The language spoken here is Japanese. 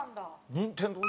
任天堂。